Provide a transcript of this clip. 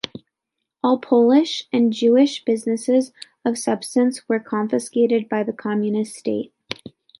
All Polish and Jewish businesses of substance were confiscated by the Communist State.